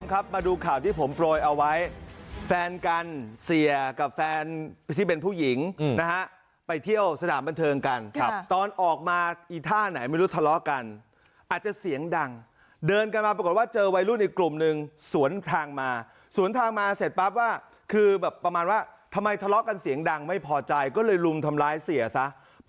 ครับมาดูข่าวที่ผมโปรยเอาไว้แฟนกันเสียกับแฟนที่เป็นผู้หญิงนะฮะไปเที่ยวสถานบันเทิงกันครับตอนออกมาอีท่าไหนไม่รู้ทะเลาะกันอาจจะเสียงดังเดินกันมาปรากฏว่าเจอวัยรุ่นอีกกลุ่มหนึ่งสวนทางมาสวนทางมาเสร็จปั๊บว่าคือแบบประมาณว่าทำไมทะเลาะกันเสียงดังไม่พอใจก็เลยลุมทำร้ายเสียซะ